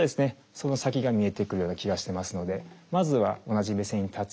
その先が見えてくるような気がしてますのでまずは同じ目線に立つ。